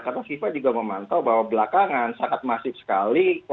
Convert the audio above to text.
karena fifa juga memantau bahwa belakangan sangat masif sekali